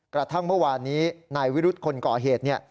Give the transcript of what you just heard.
กระทั่งเมื่อวานนี้นายวิรุธคนก่อเหตุ